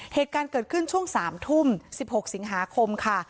เหตุการณ์เกิดขึ้นช่วง๓ทุ่ม๑๖สิงหาคมค่ะ